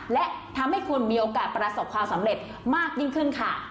และทำให้คุณมีโอกาสประสบความสำเร็จมากยิ่งขึ้นค่ะ